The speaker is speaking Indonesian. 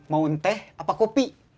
mau teh apa kopi